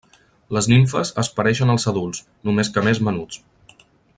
Les nimfes es pareixen als adults, només que més menuts.